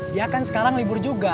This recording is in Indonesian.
dia kan sekarang libur juga